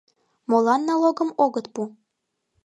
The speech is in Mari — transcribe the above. Молан налогым огыт пу?